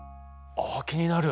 あ気になる。